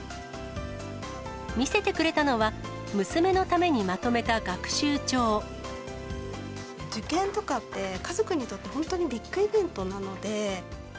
見せてくれたのは、受験とかって、家族にとって本当にビッグイベントなので。